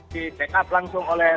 ditekab langsung oleh